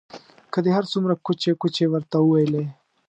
که دې هر څومره کوچې کوچې ورته وویلې.